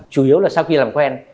chủ yếu là sau khi làm quen